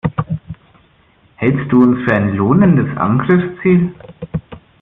Hältst du uns für ein lohnendes Angriffsziel?